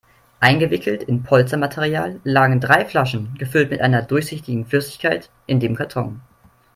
Eingewickelt in Polstermaterial lagen drei Flaschen, gefüllt mit einer durchsichtigen Flüssigkeit, in dem Karton.